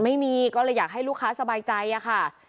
ไม่มีก็เลยอยากให้ลูกค้าสบายใจอะค่ะ